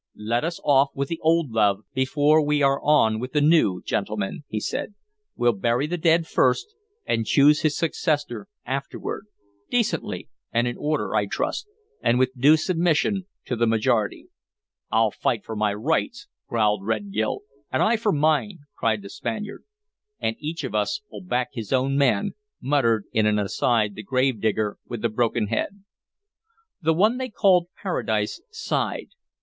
"Let us off with the old love before we are on with the new, gentlemen," he said. "We'll bury the dead first, and choose his successor afterward, decently and in order, I trust, and with due submission to the majority." "I'll fight for my rights," growled Red Gil. "And I for mine," cried the Spaniard. "And each of us'll back his own man," muttered in an aside the gravedigger with the broken head. The one they called Paradise sighed.